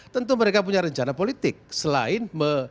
tentu mereka punya rencana politik selain